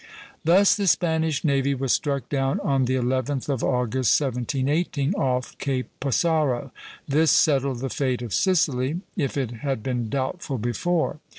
Thus the Spanish navy was struck down on the 11th of August, 1718, off Cape Passaro. This settled the fate of Sicily, if it had been doubtful before.